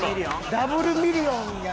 ダブルミリオンやねん。